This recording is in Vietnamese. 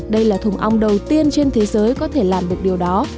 những người đầu tiên trên thế giới có thể làm được điều đó